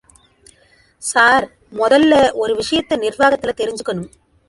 Sir... மொதல்ல ஒரு விஷயத்தை நிர்வாகத்துல தெரிஞ்சுக்கணும்.